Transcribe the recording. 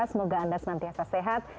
semoga anda semantiasa sehat